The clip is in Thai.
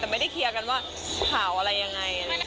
แต่ไม่ได้เคลียร์กันว่าข่าวอะไรยังไง